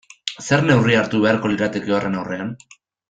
Zer neurri hartu beharko lirateke horren aurrean?